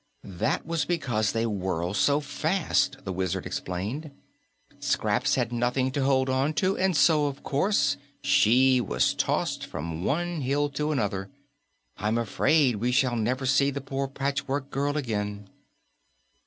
"That was because they whirl so fast," the Wizard explained. "Scraps had nothing to hold on to, and so of course she was tossed from one hill to another. I'm afraid we shall never see the poor Patchwork Girl again."